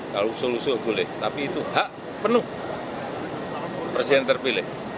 kalau usul usul boleh tapi itu hak penuh presiden terpilih